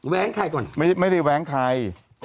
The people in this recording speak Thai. แว้งใครก่อนไม่ได้แว้งใคร